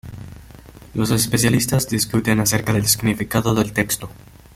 Los especialistas discuten acerca del significado del texto.